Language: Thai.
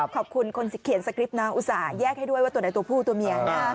ขอบคุณคนเขียนสคริปต์นะอุตส่าหแยกให้ด้วยว่าตัวไหนตัวผู้ตัวเมีย